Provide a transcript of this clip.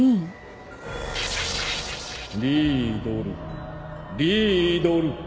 リィードルリィードル。